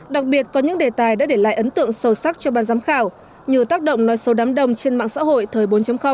đặc biệt có những đề tài đã để lại ấn tượng sâu sắc cho ban giám khảo như tác động nói sâu đám đông trên mạng xã hội thời bốn